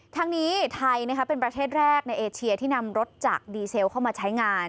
ทั้งนี้ไทยเป็นประเทศแรกในเอเชียที่นำรถจากดีเซลเข้ามาใช้งาน